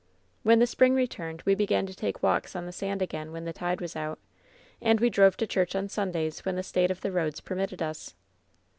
"When the spring returned we began to take walks on the sand again when the tide was out ; and we drove to church on Sundays when the state of the roads per mitted us.